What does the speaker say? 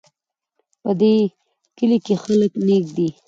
په دې کلي کې خلک نیک دي